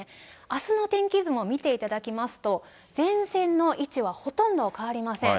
あすの天気図も見ていただきますと、前線の位置はほとんど変わりません。